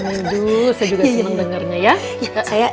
menuduh saya juga senang dengarnya ya